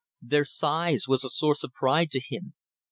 Their size was a source of pride to him.